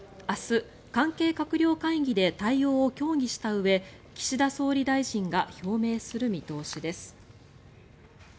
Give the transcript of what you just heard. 明日、関係閣僚会議で対応を協議したうえ岸田総理大臣が表明する見通しです。